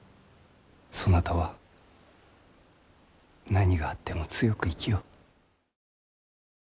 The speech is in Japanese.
そなたは何があっても強く生きよ。